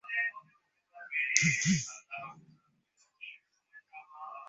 Eternity হলো মহাজগতের মাঝে থাকা এক মহা শক্তিশালী সত্তা।